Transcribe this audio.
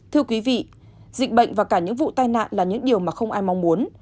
thưa quý vị dịch bệnh và cả những vụ tai nạn là những điều mà không ai mong muốn